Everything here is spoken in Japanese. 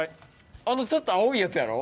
あのちょっと青いやつやろ？